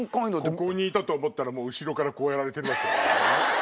ここにいたと思ったらもう後ろからこうやられてる。ハハハ。